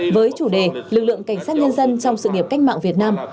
với chủ đề lực lượng cảnh sát nhân dân trong sự nghiệp cách mạng việt nam